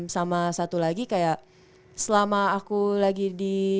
sama satu lagi kayak selama aku lagi di waktu di indonesia